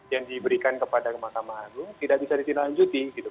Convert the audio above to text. yang diberikan kepada mahkamah agung tidak bisa ditindaklanjuti